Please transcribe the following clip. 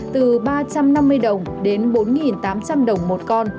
từ ba trăm năm mươi đồng đến bốn tám trăm linh đồng một con